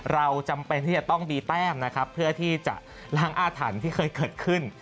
เราจำเป็นที่จะต้องมีแต้มนะครับเพื่อที่จะล้างอาถรรพ์ที่เคยเกิดขึ้น